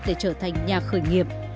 để trở thành nhà khởi nghiệp